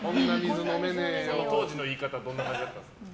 当時の言い方どんなだったんですか？